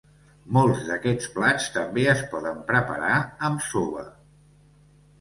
Molts d'aquests plats també es poden preparar amb soba.